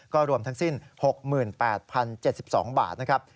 รวมทั้งสิ้น๖๘๐๗๒บาทนะครับ